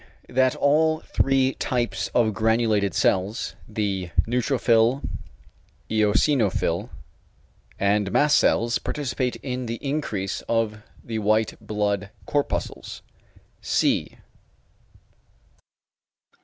=that all three types of granulated cells, the neutrophil, eosinophil, and mast cells participate in the increase of the white blood corpuscles=; C.